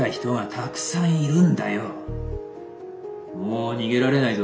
もう逃げられないぞ。